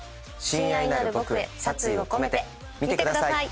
『親愛なる僕へ殺意をこめて』見てください！